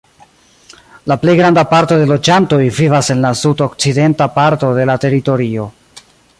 La plej granda parto de loĝantoj vivas en la sud-okcidenta parto de la teritorio.